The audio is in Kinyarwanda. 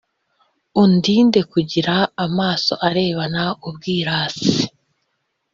undinde kugira amaso arebana ubwirasi,